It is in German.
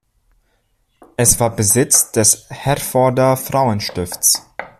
Es war Besitz des Herforder Frauenstifts.